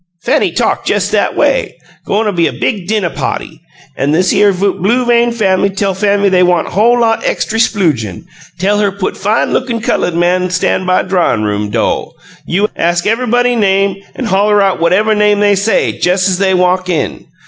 "Fanny talk jes' that way. Goin' be big dinnuh potty, an' thishere blue vein fam'ly tell Fanny they want whole lot extry sploogin'; tell her put fine lookin' cullud man stan' by drawin' room do' ask ev'ybody name an' holler out whatever name they say, jes' as they walk in.